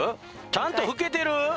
ちゃんと拭けてる？